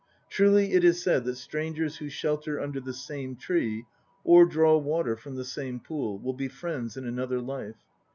Truly it is said that strangers who shelter under the same tree or draw water from the same pool will be friends in another life.